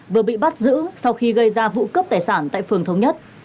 vừa bị bắt giữ sau khi gây ra vụ cướp tài sản tại phường thống nhất